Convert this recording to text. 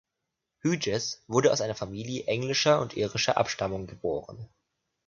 Hughes wurde aus einer Familie englischer und irischer Abstammung geboren.